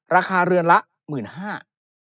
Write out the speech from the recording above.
ราคาเรือนละ๑๕๐๐บาท